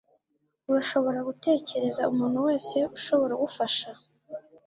Urashobora gutekereza umuntu wese ushobora gufasha?